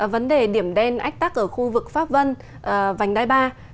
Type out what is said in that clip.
vấn đề điểm đen ách tắc ở khu vực pháp vân vành đai ba